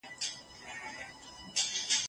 راټول سوي اطلاعات باید په دقت تحلیل سي.